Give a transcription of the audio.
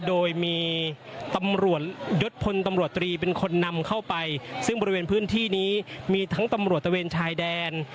โดยมีตำรวจยศพลตำรวจตรีเป็นคนนำเข้าไปซึ่งบริเวณพื้นที่นี้มีทั้งตำรวจตะเวนชายแดน